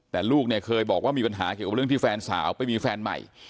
แต่ลูกเนี่ยเคยบอกว่ามีปัญหาเกี่ยวกับเรื่องที่แฟนสาวไปมีแฟนใหม่